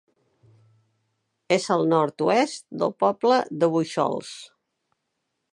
És al nord-oest del poble de Bóixols.